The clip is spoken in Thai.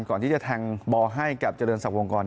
ก่อนที่จะแทงบอลให้กับเจริญศักดิวงกร